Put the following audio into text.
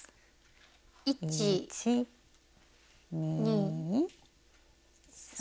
１２３。